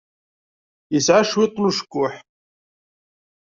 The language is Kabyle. Yesɛa cwiṭ n ucekkuḥ.